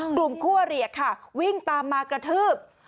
กลุ่มคู่วริกวิ่งตามมากระทืบ